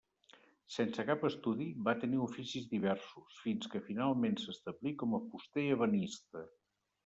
Sense cap estudi, va tenir oficis diversos, fins que finalment s'establí com a fuster ebenista.